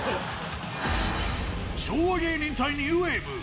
昭和芸人対ニューウェーブ。